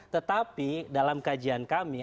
tetapi dalam kajian kami